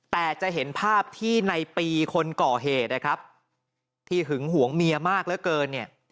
แต่จะเห็นภาพที่ในปีคนก่อเหที่หึงหวงเมียมากเหลือเกิน